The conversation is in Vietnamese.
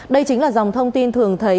đây chính là dòng thông tin thường thấy